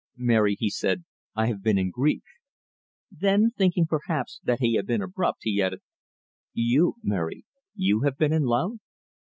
"Mary," he said, "I have been in grief." Then thinking, perhaps, that he had been abrupt, he added: "You, Mary you have been in love?"